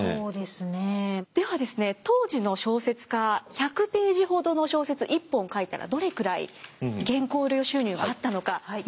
ではですね当時の小説家１００ページほどの小説１本書いたらどれくらい原稿料収入があったのか見ていきます。